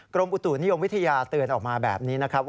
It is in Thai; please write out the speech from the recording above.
กรมอุตุนิยมวิทยาเตือนออกมาแบบนี้นะครับว่า